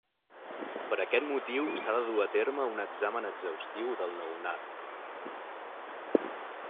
Per aquest motiu, s'ha de dur a terme un examen exhaustiu del nounat.